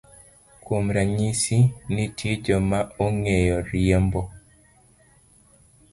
Kuom ranyisi, nitie joma ong'eyo riembo